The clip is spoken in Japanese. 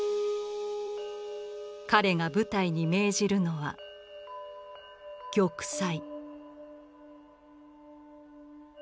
彼が部隊に命じるのは「玉砕」。